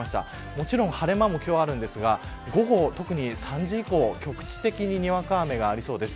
もちろん晴れ間も今日はあるんですが午後、特に３時以降局地的に、にわか雨がありそうです。